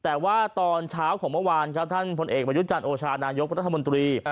แต่ว่าตอนเช้าของเมื่อวานครับท่านพลเอกประยุจันทร์โอชานายกรัฐมนตรี